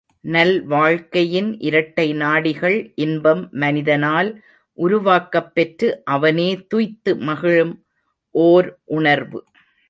நல்வாழ்க்கையின் இரட்டை நாடிகள் இன்பம் மனிதனால் உருவாக்கப் பெற்று அவனே துய்த்து மகிழும் ஒர் உணர்வு.